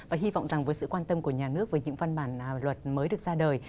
và hy vọng rằng với sự quan tâm của nhà nước với những văn bản luật mới được ra đời